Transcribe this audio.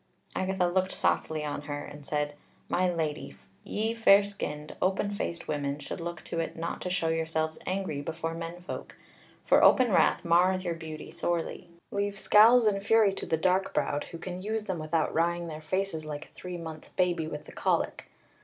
Agatha looked softly on her and said: "My Lady. Ye fair skinned, open faced women should look to it not to show yourselves angry before men folk. For open wrath marreth your beauty sorely. Leave scowls and fury to the dark browed, who can use them without wrying their faces like a three months' baby with the colic.